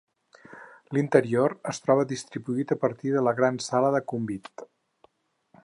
L'interior es troba distribuït a partir de la gran sala de convit.